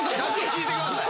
聞いてください。